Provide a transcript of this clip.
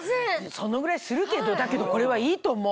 そのぐらいするけどだけどこれはいいと思う。